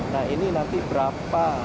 nah ini nanti berarti itu saja ya